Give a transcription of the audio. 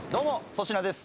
粗品です。